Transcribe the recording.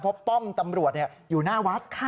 เพราะป้องตำรวจเนี่ยอยู่หน้าวัด